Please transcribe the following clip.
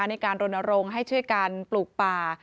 ในการโรนโรงให้ช่วยการปลูกป่า